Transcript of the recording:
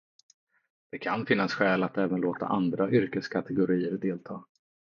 Det kan då finnas skäl att även låta andra yrkeskategorier delta.